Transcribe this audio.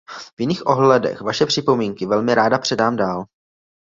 V jiných ohledech vaše připomínky velmi ráda předám dál.